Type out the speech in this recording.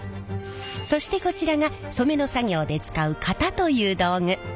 そしてこちらが染めの作業で使う型という道具。